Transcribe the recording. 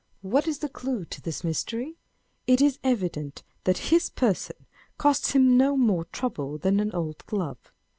What is the clue to this mystery ? It is evident that his person costs him no more trouble than an old glove.